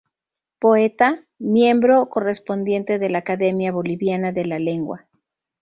Poeta, miembro correspondiente de la Academia Boliviana de la Lengua.